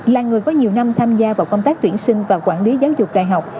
là người có nhiều năm tham gia vào công tác tuyển sinh và quản lý giáo dục đại học